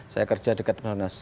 saya kerja dekat monas